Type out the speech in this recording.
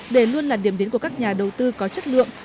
để luôn là điểm đến của các nhà đầu tư có chất lượng